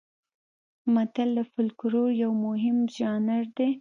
متل د فولکلور یو مهم ژانر دی